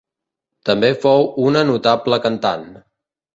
També fou una notable cantant.